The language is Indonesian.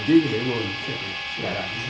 ini dengan pemerintah